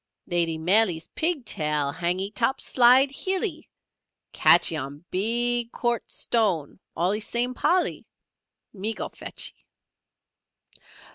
"Lady Maley's pig tail hangee top side hillee. Catchee on big quartz stone allee same Polly, me go fetchee."